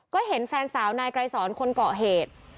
ก็เห็นแฟนสาวนายไกรสอนคนเกาะเหตุ